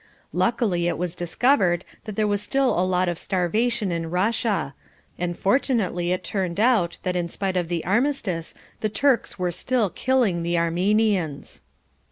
Luckily it was discovered that there was still a lot of starvation in Russia, and fortunately it turned out that in spite of the armistice the Turks were still killing the Armenians.